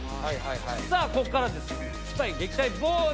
さあここからです。